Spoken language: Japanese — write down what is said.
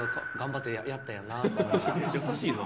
優しいな。